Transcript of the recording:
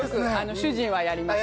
主人はやります。